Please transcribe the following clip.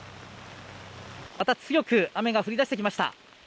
また強く雨が降り出してきました。